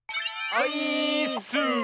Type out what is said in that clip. オイーッス！